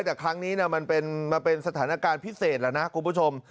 แต่ครั้งนี้มันเป็นสถานการณ์พิเศษแล้วนะคุณผู้ชม